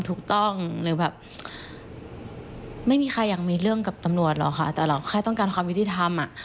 แต่เราแค่ต้องการความวิธีธรรม